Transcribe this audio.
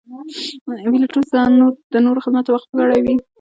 پیلوټ ځان د نورو خدمت ته وقف کړی وي.